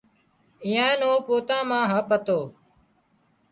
ايئان نو پوتان مان هپ هتو